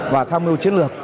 và tham mưu chiến lược